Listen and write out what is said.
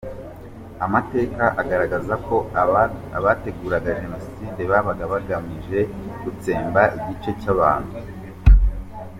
Amateka agaragaza ko abagiye bategura Jenoside babaga bagamije gutsemba igice cy’abantu.